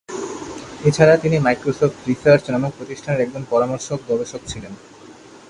এছাড়া তিনি Microsoft research নামক প্রতিষ্ঠানের একজন পরামর্শক গবেষক ছিলেন।